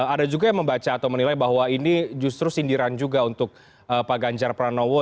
ada juga yang membaca atau menilai bahwa ini justru sindiran juga untuk pak ganjar pranowo